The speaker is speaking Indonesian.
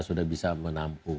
sudah bisa menampung